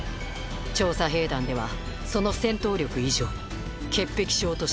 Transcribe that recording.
調査兵団ではその戦闘力以上に潔癖症としても有名です